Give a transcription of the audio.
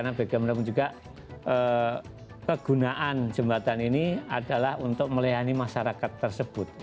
karena bagaimanapun juga kegunaan jembatan ini adalah untuk melayani masyarakat tersebut